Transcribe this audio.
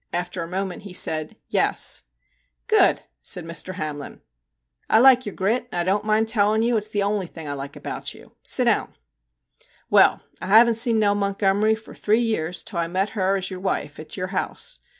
After a moment he said 'Yes.' * Good !' said Mr. Hamlin. ' I like your grit, though I don't mind telling you it 's the only thing I like about you. Sit down. Well, 60 MR. JACK HAMLIN'S MEDIATION I haven't seen Nell Montgomery for three years until I met her as your wife, at your house.